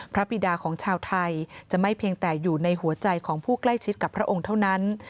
บิดาของชาวไทยจะไม่เพียงแต่อยู่ในหัวใจของผู้ใกล้ชิดกับพระองค์เท่านั้น